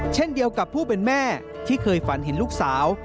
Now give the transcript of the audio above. เช่นเดียวกับผู้เป็นแม่ที่เคยฝันเห็นลูกสาว